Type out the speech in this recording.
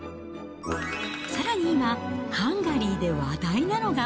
さらに今、ハンガリーで話題なのが。